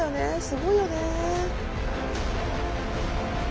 すごいよね。